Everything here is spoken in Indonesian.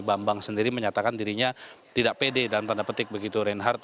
bambang sendiri menyatakan dirinya tidak pede dalam tanda petik begitu reinhardt